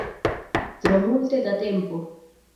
Tro multe da tempo.